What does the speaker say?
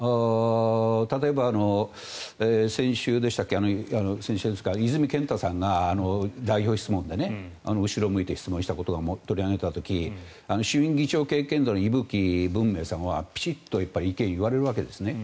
例えば先週、泉健太さんが代表質問で後ろを向いて質問したことが取り上げられた時衆院議長経験者の伊吹文明さんはきちんと意見を言われるわけですね。